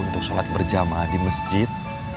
untuk sholat berjamaah di masjid